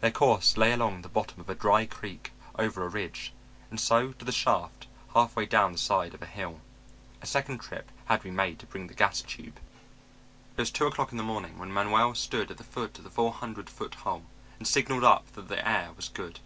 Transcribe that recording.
Their course lay along the bottom of a dry creek, over a ridge, and so to the shaft half way down the side of a hill. A second trip had to be made to bring the gas tube. It was two o'clock in the morning when Manuel stood at the foot of the four hundred foot hole and signaled up that the air was good.